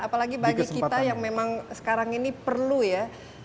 apalagi bagi kita yang memang sekarang ini perlu ya